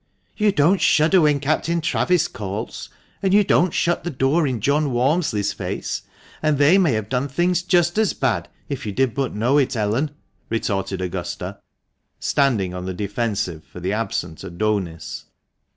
"You don't shudder when Captain Travis calls, and you don't shut the door in John Walmsley's face, and they may have done things just as bad, if you did but know it, Ellen," retorted Augusta, standing on the defensive for the absent "Adonis."